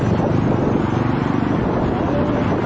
จะประมาทกับ